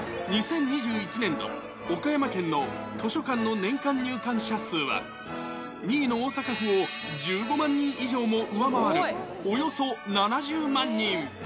２０２１年度、岡山県の図書館の年間入館者数は、２位の大阪府を１５万人以上も上回る、およそ７０万人。